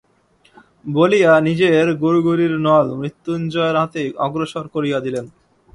বলিয়া নিজের গুড়গুড়ির নল মৃত্যুঞ্জয়ের হাতে অগ্রসর করিয়া দিলেন।